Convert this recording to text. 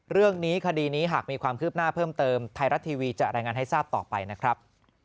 คดีนี้หากมีความคืบหน้าเพิ่มเติมไทยรัฐทีวีจะรายงานให้ทราบต่อไปนะครับ